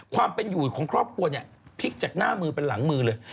ความเป็นอยู่ของครอบครัวเนี่ยพลิกจากหน้ามือเป็นหลังมือเลย